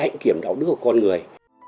hạnh kiểm đạo đức của con người